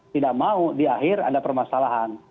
tidak mau di akhir ada permasalahan